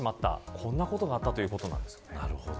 こんなことがあったということです。